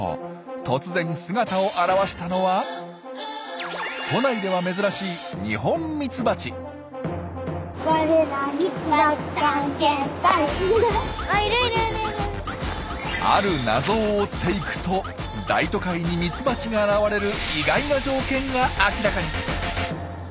突然姿を現したのは都内では珍しいある謎を追っていくと大都会にミツバチが現れる意外な条件が明らかに！